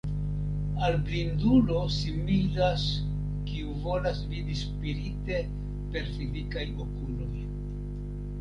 Al blindulo similas kiu volas vidi spirite per fizikaj okuloj.